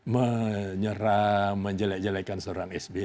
menyerang menjelek jelekkan seorang sby